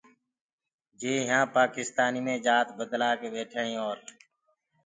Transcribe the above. يي يهآنٚ پآڪِستآنيٚ مي جآت بدلآ ڪي ٻيٺائينٚ اور